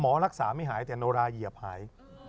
รักษาไม่หายแต่โนราเหยียบหาย